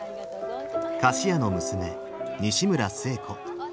菓子屋の娘西村寿恵子。